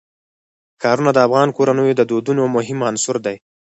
ښارونه د افغان کورنیو د دودونو مهم عنصر دی.